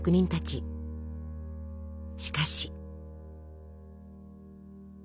しかし。